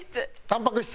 たんぱく質？